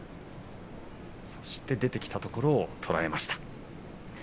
そして出てきたところを取られました。